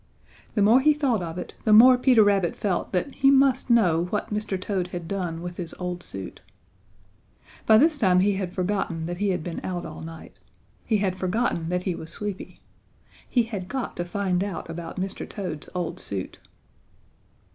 The more he thought of it the more Peter Rabbit felt that he must know what Mr. Toad had done with his old suit. By this time he had forgotten that he had been out all night. He had forgotten that he was sleepy. He had got to find out about Mr. Toad's old suit.